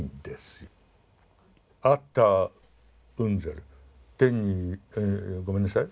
アッターウンゼル天にごめんなさい。